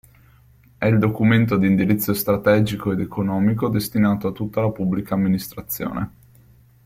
È il documento di indirizzo strategico ed economico destinato a tutta la Pubblica Amministrazione.